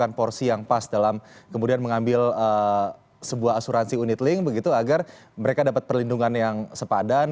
dengan porsi yang pas dalam kemudian mengambil sebuah asuransi unit link begitu agar mereka dapat perlindungan yang sepadan